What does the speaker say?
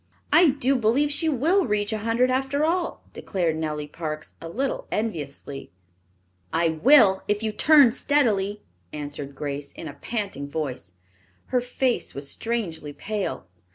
"I do believe she will reach a hundred after all," declared Nellie Parks, a little enviously. "I will, if you turn steadily," answered Grace, in a panting voice. Her face was strangely pale.